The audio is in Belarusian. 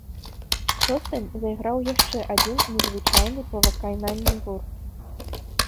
Шостым зайграў яшчэ адзін незвычайны па выкананні гурт.